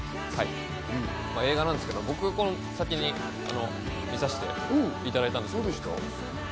映画なんですけど、僕、先に見させていただいたんです。